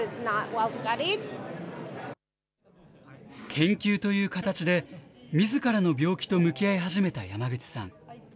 研究という形で、みずからの病気と向き合い始めた山口さん。